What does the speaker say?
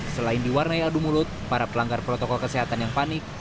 selain diwarnai adu mulut para pelanggar protokol kesehatan yang panik